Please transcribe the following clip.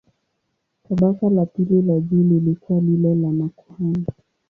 Tabaka la pili la juu lilikuwa lile la makuhani.